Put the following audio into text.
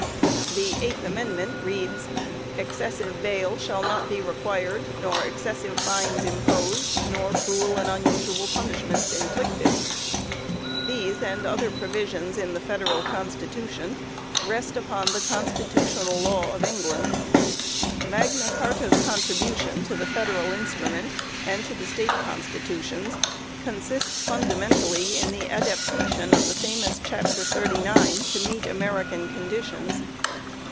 The Eighth Amendment reads ;" Excessive bail shall not be required, nor ex cessive fines imposed, nor cruel and unusual punish ments inflicted ". 1 These and other provisions in the Federal Consti tution rest upon the Constitutional Law of England. Magna Carta's contribution to the federal instrument, and to the State Constitutions, consists fundamentally in the adaptation of the famous chapter thirty nine to meet American conditions.